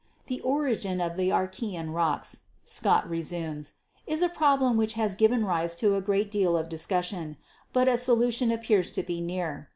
"The origin of the Archaean Rocks," Scott resumes, "is a problem which has given rise to a great deal of discus sion, but a solution appears to be near.